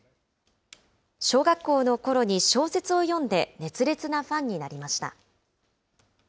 小学校のころに、小説を読んで熱烈なファンになりました。